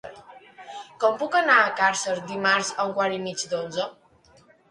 Com puc anar a Càrcer dimarts a un quart i mig d'onze?